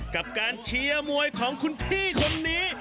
กับการเชียร์มวยของคุณพี่คนนี้